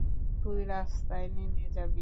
তুই রাস্তায় নেমে যাবি।